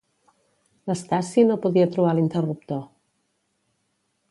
L'Stacey no podia trobar l'interruptor.